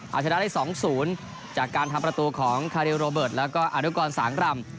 เอาชนะได้๒๐จากการทำประตูของคาริวโรเบิร์ตแล้วก็อนุกรสางรำ